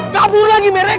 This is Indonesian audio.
kabur lagi mereka